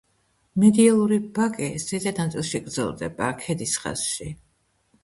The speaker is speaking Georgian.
მედიალური ბაგე ზედა ნაწილში გრძელდება ქედის ხაზში.